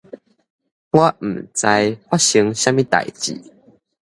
我毋知發生啥物代誌